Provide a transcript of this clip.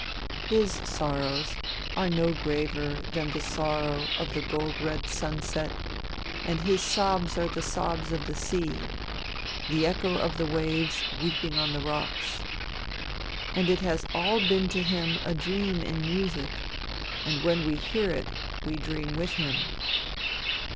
His sorrows are no graver than the sorrow of the gold red sunset, and his sobs are the sobs of the sea, the echo of the waves weeping on the rocks. And it has all been to him a dream in music, and when we hear it we dream with him.